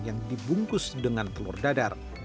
yang dibungkus dengan telur dadar